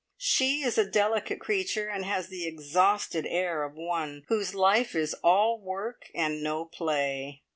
She is a delicate creature, and has the exhausted air of one whose life is all work and no play.